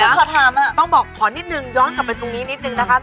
ขอถามต้องบอกขอนิดนึงย้อนกลับไปตรงนี้นิดนึงนะคะ